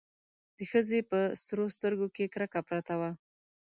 د ښځې په سرو سترګو کې کرکه پرته وه.